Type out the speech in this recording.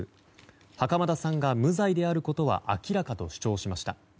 袴田さんが無罪であることは明らかと主張しました。